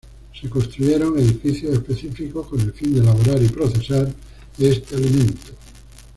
Se construyeron edificios específicos con el fin de elaborar y procesar este alimento.